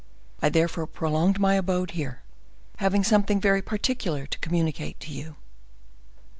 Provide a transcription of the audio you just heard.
I therefore prolonged my abode here, having something very particular to communicate to you."